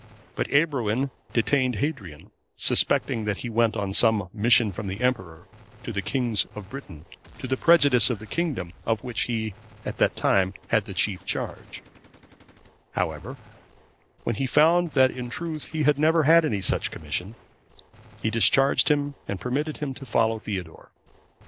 But Ebroin detained Hadrian, suspecting that he went on some mission from the Emperor to the kings of Britain, to the prejudice of the kingdom of which he at that time had the chief charge; however, when he found that in truth he had never had any such commission, he discharged him, and permitted him to follow Theodore.